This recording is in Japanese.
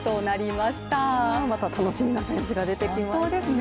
また楽しみな選手が出てきましたね。